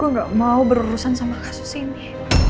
gue gak mau berurusan sama kasus ini